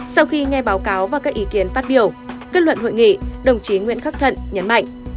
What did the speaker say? sau khi nghe báo cáo và các ý kiến phát biểu kết luận hội nghị đồng chí nguyễn khắc thận nhấn mạnh